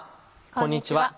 こんにちは。